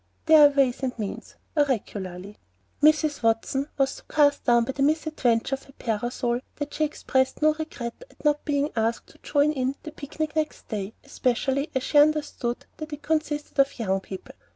"There are ways and means," oracularly. Mrs. Watson was so cast down by the misadventure to her parasol that she expressed no regret at not being asked to join in the picnic next day, especially as she understood that it consisted of young people.